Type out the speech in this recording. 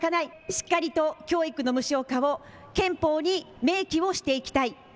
しっかりと教育の無償化を憲法に明記をしていきたい。